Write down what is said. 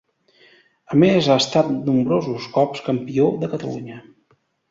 A més ha estat nombrosos cops campió de Catalunya.